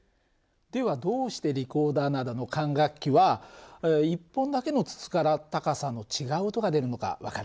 ではどうしてリコーダーなどの管楽器は１本だけの筒から高さの違う音が出るのか分かるかな？